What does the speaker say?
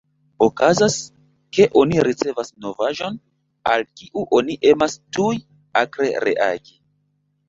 Okazas, ke oni ricevas novaĵon, al kiu oni emas tuj akre reagi.